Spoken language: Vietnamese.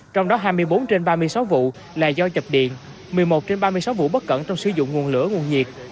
trong đó hai mươi bốn trên ba mươi sáu vụ là do chập điện một mươi một trên ba mươi sáu vụ bất cẩn trong sử dụng nguồn lửa nguồn nhiệt